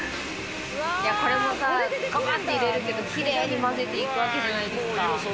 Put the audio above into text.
これもガバって入れるけどキレイに混ぜていくわけじゃないですか。